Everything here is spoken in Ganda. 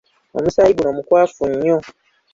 Omusaayi guno mukwafu nnyo.